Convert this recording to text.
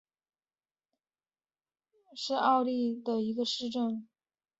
格拉茨附近内施特尔巴赫是奥地利施蒂利亚州格拉茨城郊县的一个市镇。